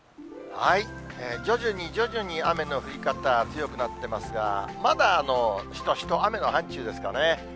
徐々に徐々に、雨の降り方、強くなってますが、まだしとしと雨の範ちゅうですかね。